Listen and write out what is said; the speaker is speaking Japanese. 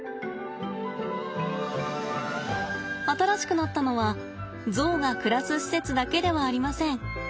新しくなったのはゾウが暮らす施設だけではありません。